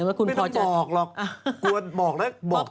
ไม่ต้องบอกหรอก